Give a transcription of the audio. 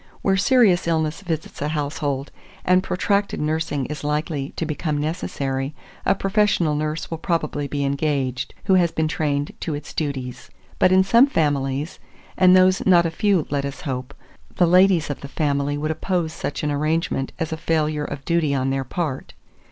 Where serious illness visits a household, and protracted nursing is likely to become necessary, a professional nurse will probably be engaged, who has been trained to its duties; but in some families, and those not a few let us hope, the ladies of the family would oppose such an arrangement as a failure of duty on their part.